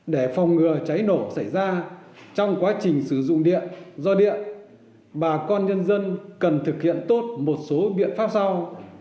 để phòng ngừa cháy nổ xảy ra trong quá trình sử dụng điện do điện bà con nhân dân cần thực hiện tốt một số biện pháp sau